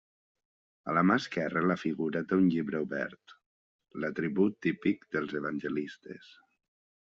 A la mà esquerra, la figura té un llibre obert, l'atribut típic dels evangelistes.